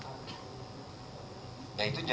ya itu menjadi pertimbangan juga